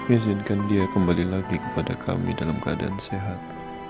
izinkan dia kembali lagi kepada kami dalam keadaan sehat